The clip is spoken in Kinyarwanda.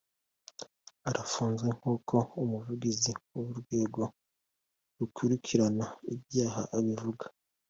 Arafunzwe nk'uko umuvugizi w'urwego rukurikirana ibyaha abivuga.